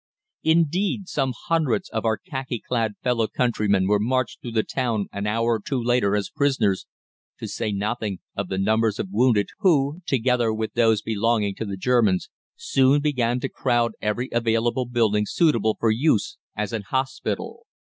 "Indeed, some hundreds of our khaki clad fellow countrymen were marched through the town an hour or two later as prisoners, to say nothing of the numbers of wounded, who, together with those belonging to the Germans, soon began to crowd every available building suitable for use as an hospital.